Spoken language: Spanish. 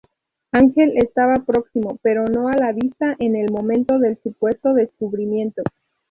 Ángel estaba próximo pero no a la vista en el momento del supuesto descubrimiento.